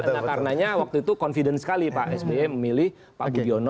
nah karenanya waktu itu confident sekali pak sby memilih pak budiono